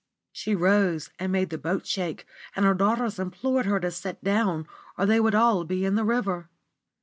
She rose and made the boat shake, and her daughters implored her to sit down, or they would all be in the river.